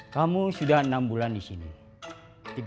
kamu sudah enam bulan di sini